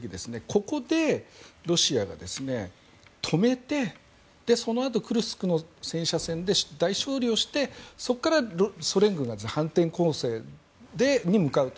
ここでロシアが止めてそのあと、クルスクの戦車戦で大勝利をして、そこからソ連軍が反転攻勢に向かうと。